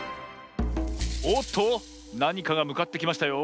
おっとなにかがむかってきましたよ。